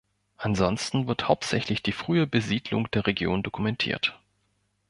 Ansonsten wird hauptsächlich die frühe Besiedlung der Region dokumentiert.